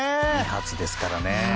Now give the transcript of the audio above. ２発ですからね。